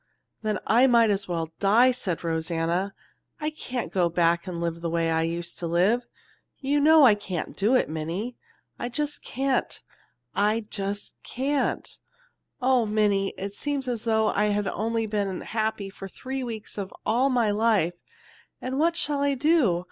"Then I might as well die," said Rosanna. "I can't go back and live the way I used to live. You know I can't do it, Minnie. I can't; I just can't! Oh, Minnie, it seems as though I had only been happy for three weeks in all my life, and what shall I do?